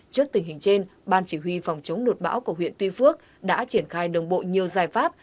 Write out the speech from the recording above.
trước tình hình trên ban chỉ huy phòng chống lụt bão của huyện tuy phước đã triển khai đồng bộ nhiều giải pháp